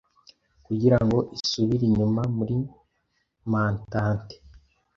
kugirango isubire inyuma muri mantante